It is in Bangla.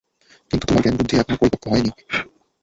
কিন্তু তোমার জ্ঞান-বুদ্ধি এখনও পরিপক্ক হয়নি।